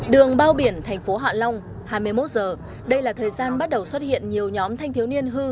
đường bao biển thành phố hạ long hai mươi một h đây là thời gian bắt đầu xuất hiện nhiều nhóm thanh thiếu niên hư